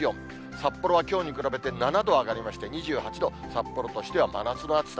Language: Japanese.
札幌はきょうに比べて７度上がりまして２８度、札幌としては真夏の暑さ。